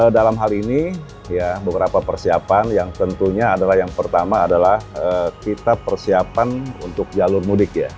dalam hal ini beberapa persiapan yang tentunya adalah yang pertama adalah kita persiapan untuk jalur mudik ya